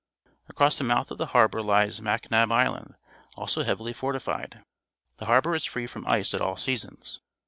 Across the mouth of the harbour lies Macnab Island, als o heavily fortifi ed. The harbour is free from ice at all seasons.